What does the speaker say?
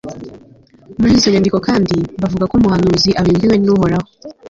muri izo nyandiko kandi, bavuga ko umuhanuzi abibwiwe n'uhoraho